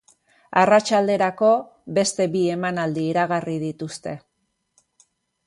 Arratsalderako, beste bi emanaldi iragarri dituzte.